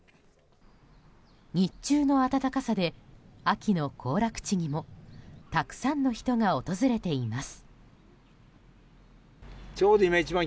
日中の暖かさで秋の行楽地にもたくさんの人が訪れています。